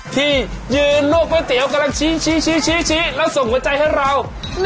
ที่ยืนลวกก๋วยเตี๋ยวกำลังชี้แล้วส่งหัวใจให้เรา